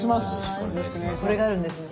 これがあるんですね。